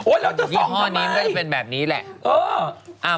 โอ้ยเราจะส่องทำไมอันนี้มันก็จะเป็นแบบนี้แหละอ้อ